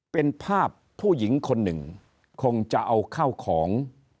เป็นภาพผู้หญิงคนหนึ่งคงจะเอาข้าวของ